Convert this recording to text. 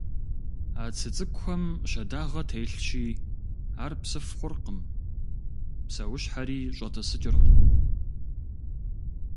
А цы цӀыкӀухэм щэдагъэ телъщи, ар псыф хъуркъым, псэущхьэри щӀэтӀысыкӀыркъым.